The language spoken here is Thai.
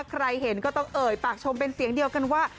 ใครเห็นก็ต้องเอ่ยปากชมเป็นเสียงเดียวกันว่า